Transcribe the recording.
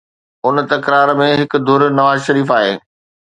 ان تڪرار ۾ هڪ ڌر نواز شريف آهي